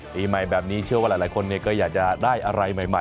ปีใหม่แบบนี้เชื่อว่าหลายคนก็อยากจะได้อะไรใหม่